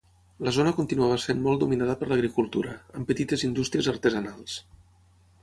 La zona continuava sent molt dominada per l'agricultura, amb petites indústries artesanals.